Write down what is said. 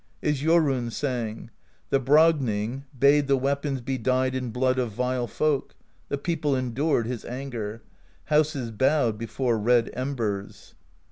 As Jorunn sang: The Bragning bade the weapons Be dyed in blood of vile folk; The people endured his anger: Houses bowed before red embers.